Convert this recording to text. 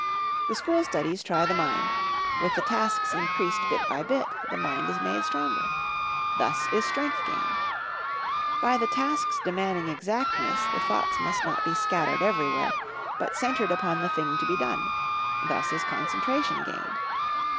The school studies try the mind; with the tasks increased bit by bit, the mind is made stronger. Thus is Strength gained. By the tasks demanding exactness, the thoughts must not be scattered everywhere, but centered upon the thing to be done. Thus is Concentration gained.